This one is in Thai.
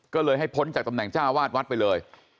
ก็เลยให้พ้นจากตำแหน่งจ้าวาดวัดไปเลย